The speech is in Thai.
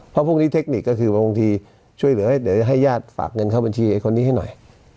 เพราะพวกนี้เทคนิคก็คือบางทีช่วยเหลือเดี๋ยวให้ญาติฝากเงินเข้าบัญชีไอ้คนนี้ให้หน่อย